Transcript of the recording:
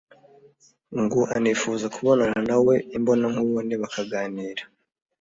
ngo anifuza kubonana na we imbonankubone bakaganira